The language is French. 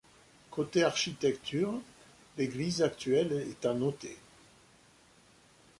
Côté architecture, l'église actuelle est à noter.